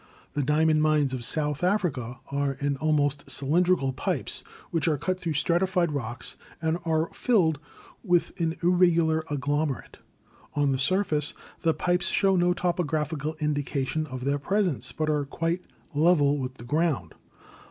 The diamond mines of South Africa are in almost cylindrical pipes, which are cut through stratified rocks and are filled with an irregu lar agglomerate. On the surface the pipes show no topo graphical indication of their presence, but are quite level with the ground.